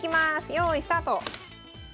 よいスタート。